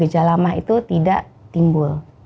gejala ma itu tidak timbul